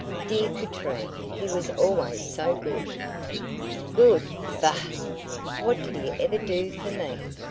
"Dear Katrine, he was always so good." "Good! Bah! What did he ever do for me?